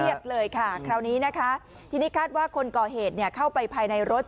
เรียกเลยค่ะคราวนี้นะคะที่นี่คาดว่าคนก่อเหตุเข้าไปภายในรถ